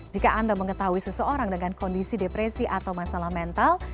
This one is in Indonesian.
jika anda mengetahui seseorang dengan kondisi depresi atau masalah mental